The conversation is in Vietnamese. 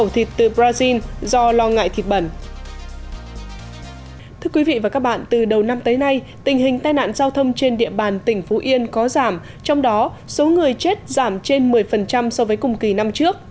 thưa quý vị và các bạn từ đầu năm tới nay tình hình tai nạn giao thông trên địa bàn tỉnh phú yên có giảm trong đó số người chết giảm trên một mươi so với cùng kỳ năm trước